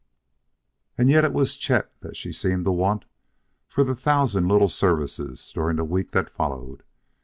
And yet it was Chet that she seemed to want for the thousand little services during the week that followed.